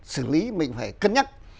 xử lý mình phải cân nhắc